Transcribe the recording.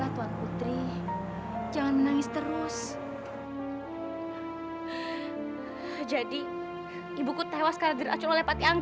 tapi kan baginda tidak tahu